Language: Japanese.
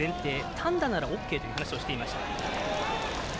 単打ならＯＫという話をしていました。